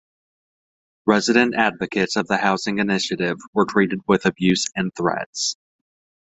Resident advocates of the housing initiative were treated with abuse and threats.